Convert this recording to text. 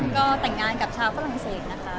ก็แต่งงานกับชาวฝรั่งเศสนะคะ